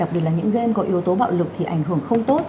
đặc biệt là những game có yếu tố bạo lực thì ảnh hưởng không tốt